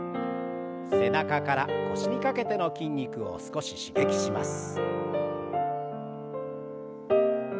背中から腰にかけての筋肉を少し刺激します。